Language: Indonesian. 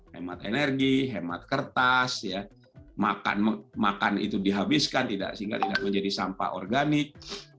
hemat energi hemat kertas makan itu dihabiskan sehingga tidak menjadi sampah organik